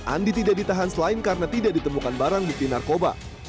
andi tidak ditahan selain karena tidak ditemukan barang bukti narkoba